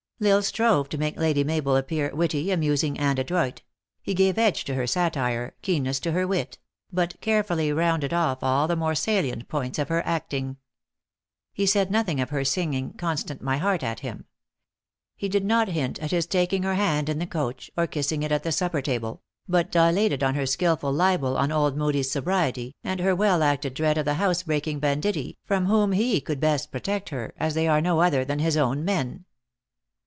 L Isle strove to make Lady Mabel appear witty, amusing, and adroit; he gave edge to her satire keenness to her wit; but carefully rounded off all the more salient points of her acting. lie said nothing of her singing " Constant my heart," at him. He did not hint at his taking her hand in the coach, or kiss ing it at the supper table ; but dilated on her skillful libel on old Moodie s sobriety, and her well acted dread of the house breaking banditti, from whom lie could best protect her, as they are no other than his own men.